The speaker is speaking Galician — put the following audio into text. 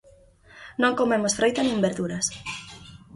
Non comemos froita nin verduras.